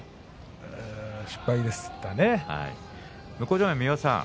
失敗でしたね。